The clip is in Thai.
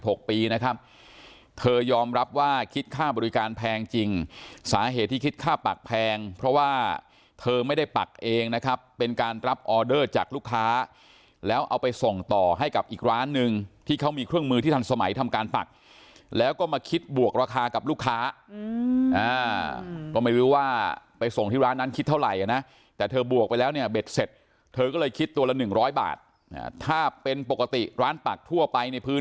วัย๕๖ปีนะครับเธอยอมรับว่าคิดค่าบริการแพงจริงสาเหตุที่คิดค่าปักแพงเพราะว่าเธอไม่ได้ปักเองนะครับเป็นการรับออเดอร์จากลูกค้าแล้วเอาไปส่งต่อให้กับอีกร้านนึงที่เขามีเครื่องมือที่ทันสมัยทำการปักแล้วก็มาคิดบวกราคากับลูกค้าก็ไม่รู้ว่าไปส่งที่ร้านนั้นคิดเท่าไหร่นะแต่เธอบวกไปแล้วเ